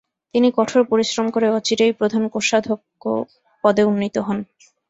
তিনি কঠোর পরিশ্রম করে অচিরেই প্রধান কোষাধ্যক্ষ পদে উন্নীত হন।